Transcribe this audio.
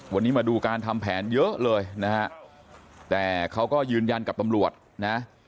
วันนี้มาดูการทำแผนเยอะเลยนะฮะแต่เขาก็ยืนยันกับตำรวจนะ